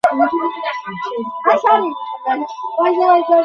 লড়াইয়ের প্রথম পর্বেই কুপার পরাজিত হন।